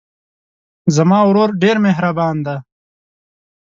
زما ورور ډېر مهربان دی.